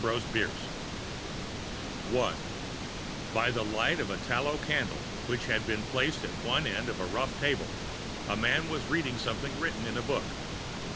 Putnam's Sons I By THE light of a tallow candle, which had been placed on one end of a rough table, a man was reading something written in a book.